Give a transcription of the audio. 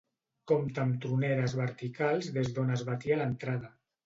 Compta amb troneres verticals des d'on es batia l'entrada.